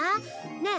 ねえ